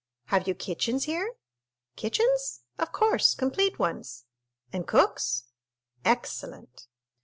"Have you kitchens here?" "Kitchens?—of course—complete ones." "And cooks?" "Excellent!"